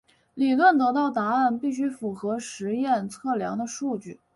理论得到的答案必须符合实验测量的数据。